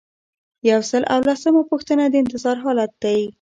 یو سل او لسمه پوښتنه د انتظار حالت دی.